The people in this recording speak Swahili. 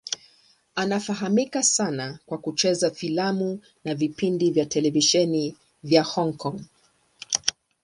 Anafahamika sana kwa kucheza filamu na vipindi vya televisheni vya Hong Kong.